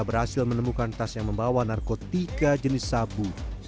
berhasil menemukan tas yang membawa narkotika jenis sabu